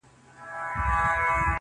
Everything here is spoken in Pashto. o چي د ملا خبري پټي ساتي.